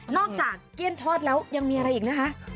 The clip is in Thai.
นอกจากเกมต้นแล้วยังมีอะไรอีกนะ